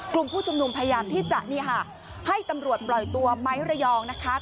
กลุ่มผู้ชุมนุมพยายามที่จะนี่ค่ะให้ตำรวจปล่อยตัวไม้ระยองนะคะ